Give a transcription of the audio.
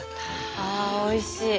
あおいしい！